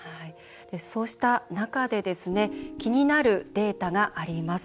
そうした中で気になるデータがあります。